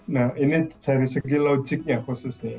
nah ini dari segi logiknya khususnya